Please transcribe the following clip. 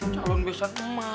calon besan emak